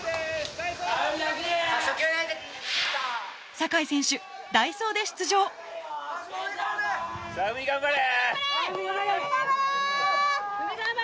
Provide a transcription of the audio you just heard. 坂井選手代走で出場・羽泉頑張れ！